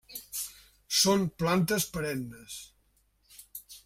Són plantes perennes.